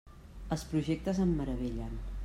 Els projectes em meravellen.